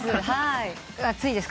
はい。